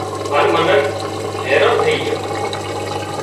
تو منک حيران ٿئي جھان